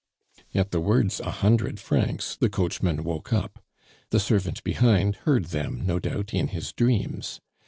At the words "A hundred francs," the coachman woke up. The servant behind heard them, no doubt, in his dreams.